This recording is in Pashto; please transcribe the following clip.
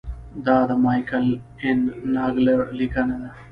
دا د مایکل این ناګلر لیکنه ده.